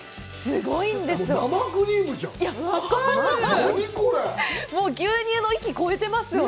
すごいんですよ。